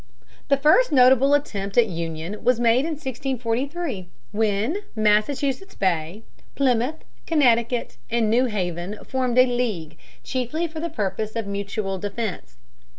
The first notable attempt at union was made in 1643, when Massachusetts Bay, Plymouth, Connecticut, and New Haven formed a league, chiefly for the purpose of mutual defense.